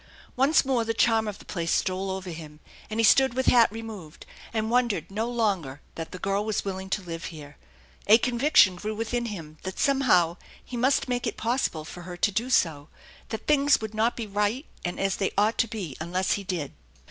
Once more the charm of the place stole over him; and he stood with hat removed, and wondered no longer that the girl was willing to live here. A conviction grew within him that somehow he must make it possible for her to do so, that things would not be right and as they ought to be unless he did.